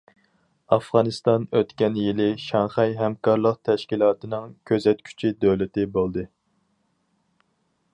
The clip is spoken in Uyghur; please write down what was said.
ئافغانىستان ئۆتكەن يىلى شاڭخەي ھەمكارلىق تەشكىلاتنىڭ كۆزەتكۈچى دۆلىتى بولدى.